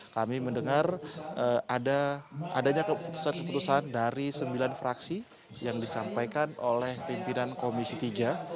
kami mendengar adanya keputusan keputusan dari sembilan fraksi yang disampaikan oleh pimpinan komisi tiga